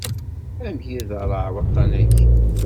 Amek iderreε waṭṭan-ayi?